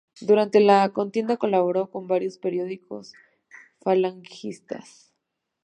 Durante la contienda colaboró con varios periódicos falangistas.